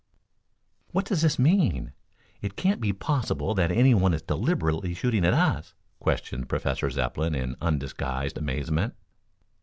"What does this mean? It can't be possible that anyone is deliberately shooting at us?" questioned Professor Zepplin in undisguised amazement.